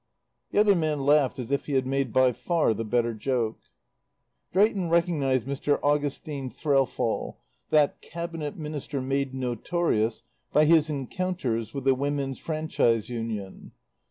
The other man laughed as if he had made by far the better joke. Drayton recognized Mr. Augustin Threlfall, that Cabinet Minister made notorious by his encounters with the Women's Franchise Union.